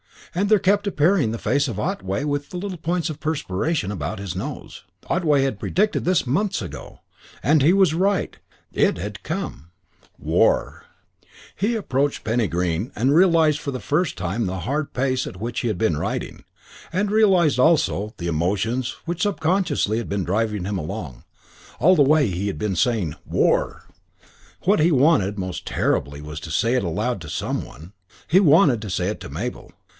And there kept appearing the face of Otway with the little points of perspiration about his nose. Otway had predicted this months ago. And he was right. It had come. War.... CHAPTER IV I He approached Penny Green and realised for the first time the hard pace at which he had been riding. And realised also the emotions which subconsciously had been driving him along. All the way he had been saying "War!" What he wanted, most terribly, was to say it aloud to some one. He wanted to say it to Mabel.